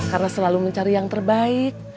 karena selalu mencari yang terbaik